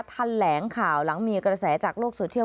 แถลงข่าวหลังมีกระแสจากโลกโซเชียล